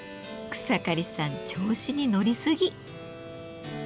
草刈さん調子に乗りすぎ。